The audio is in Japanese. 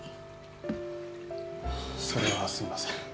それはすみません。